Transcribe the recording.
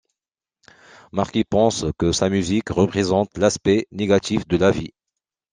Marky pense que sa musique représente l'aspect négatif de la vie.